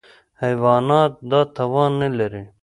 حیوانات دا توان نهلري.